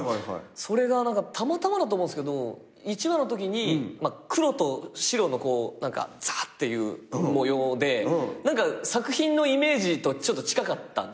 それがたまたまだと思うんすけど１話のときに黒と白のザーっていう模様で作品のイメージとちょっと近かったんすね。